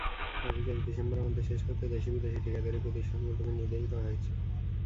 বাকি কাজ ডিসেম্বরের মধ্যে শেষ করতে দেশি-বিদেশি ঠিকাদারি প্রতিষ্ঠানগুলোকে নির্দেশ দেওয়া হয়েছে।